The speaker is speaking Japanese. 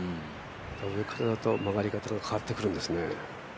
上からだと曲がり方が変わってくるんですね。